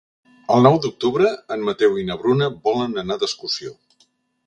El nou d'octubre en Mateu i na Bruna volen anar d'excursió.